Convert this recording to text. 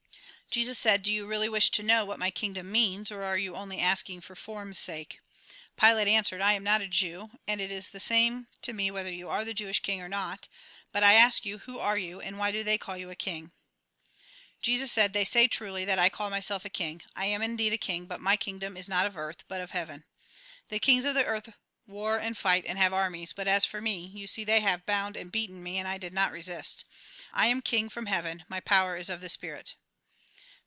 " Jesus said :" Do you really wish to know what my kingdom means, or are you only asking for form's sake ?" Pilate answered :" I am not a Jew, and it is the same to me whether you are the Jewish king or not ; but I ask you, who are you, and why do they call you king ?" Jesus said :" They say truly, that I call myself a king. I am indeed a king, but my kingdom is not of earth, but of heaven. The kings of the earth war and fight, and have armies ; but as for me, — you see they have bound and beaten me, and I did not resist. I am king from heaven : my power is of the spirit."